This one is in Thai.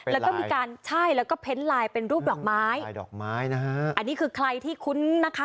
เป็นลายใช่แล้วก็เพ้นต์ลายเป็นรูปดอกไม้อันนี้คือใครที่คุ้นนะคะ